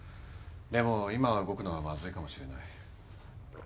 でも今は動くのはまずいかもしれない。